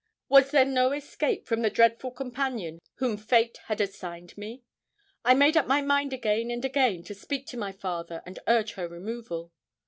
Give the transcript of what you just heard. Was there no escape from the dreadful companion whom fate had assigned me? I made up my mind again and again to speak to my father and urge her removal.